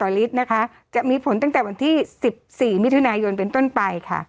ต่อฤทธิ์นะคะจะมีผลตั้งแต่วันที่สิบสี่มิถุนายนเป็นต้นไปค่ะ